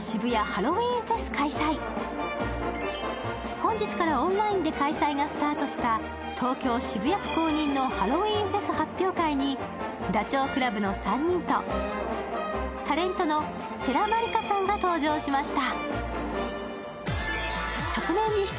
本日からオンラインで開催がスタートした東京・渋谷区公認のハロウィーンフェス発表会にダチョウ倶楽部の３人とタレントの世良マリカさんが登場しました。